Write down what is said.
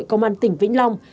công an tỉnh vĩnh long